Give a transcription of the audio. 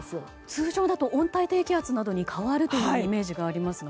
通常だと温帯低気圧に変わるというイメージがありますが。